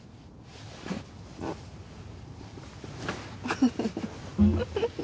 フフフフ。